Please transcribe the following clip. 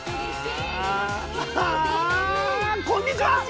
こんにちは。